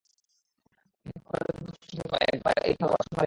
তবুও আপনাদের কোনো প্রশ্ন থাকে তো, একবার এই থাল ভরা সোনা দেখে নিন।